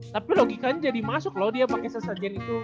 tapi logikanya jadi masuk loh dia pakai sesajen itu